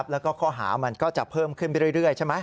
แล้วก็ข้อหามันก็จะเพิ่มขึ้นไปเรื่อยใช่ไหม